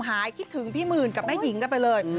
หายคิดถึงพี่หมื่นกับแม่หญิงกันไปเลย